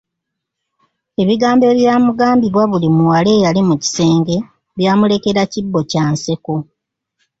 Ebigambo ebyamugambibwa buli muwala eyali mu kisenge byamulekera kibbo kya nseko.